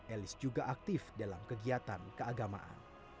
elis juga aktif dalam kegiatan keagamaan